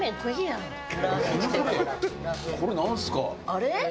あれ？